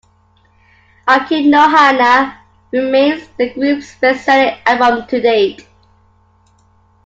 "Aku no Hana" remains the group's best-selling album to date.